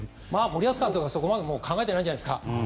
森保監督はそこまで考えてないんじゃないですか？